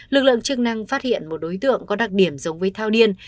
lực lượng chức năng phát hiện một đối tượng có đặc điểm giống với thao điên